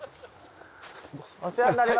お世話になります。